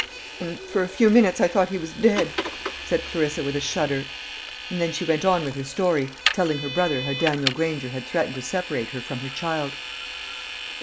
"And for a few minutes I thought he was dead," said Clarissa with a shudder; and then she went on with her story, telling her brother how Daniel Granger had threatened to separate her from her child.